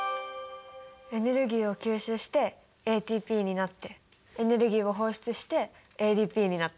エネルギーを吸収してＡＴＰになってエネルギーを放出してＡＤＰになって。